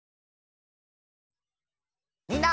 みんな。